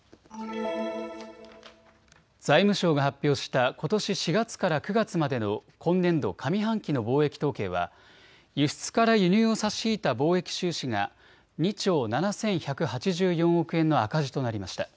財務省が発表したことし４月から９月までの今年度上半期の貿易統計は輸出から輸入を差し引いた貿易収支が２兆７１８４億円の赤字となりました。